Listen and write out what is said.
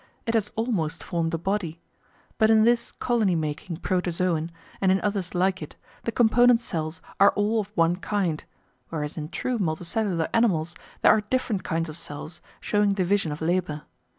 It has almost formed a body! But in this "colony making" Protozoon, and in others like it, the component cells are all of one kind, whereas in true multicellular animals there are different kinds of cells, showing division of labour.